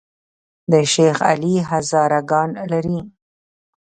د شیخ علي هزاره ګان لري